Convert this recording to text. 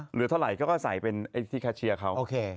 เหลือเท่าไหร่ก็ก็ไปใส่ถัดใส่เขา